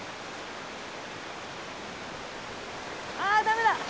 ああダメだ！